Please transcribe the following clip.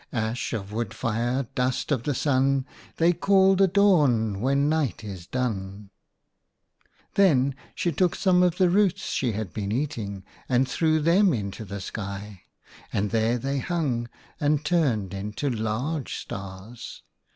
Ash of wood fire ! Dust of the Sun ! They call the Dawn when Night is done !'" Then she took some of the roots she had been eating and threw them into the sky, and there they hung and turned into large stars.